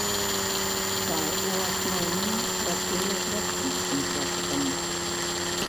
Сайт у асноўным працуе з расійскім трафікам.